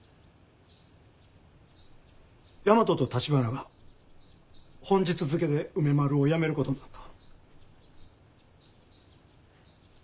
大和と橘が本日付けで梅丸をやめることになった。